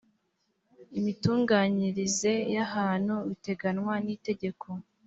imitunganyirize y ahantu biteganywa nitegeko